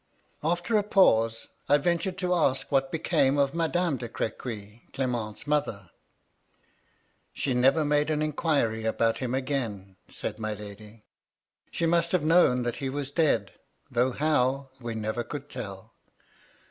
After a pause, I ventured to ask what became of Madame de Crequy, Clement's mother. ^^She never made any inquiry about him again," said my lady. ^^She must have known that he was dead; though how, we never could tell.